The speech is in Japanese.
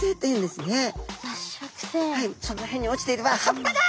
その辺に落ちていれば「葉っぱだ」。